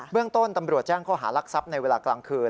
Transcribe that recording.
เรื่องต้นตำรวจแจ้งข้อหารักทรัพย์ในเวลากลางคืน